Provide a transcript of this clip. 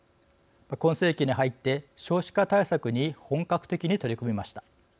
今世紀に入って少子化対策に本格的に取り組みました。